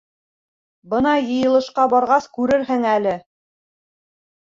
Бына йыйылышҡа барғас күрерһең әле.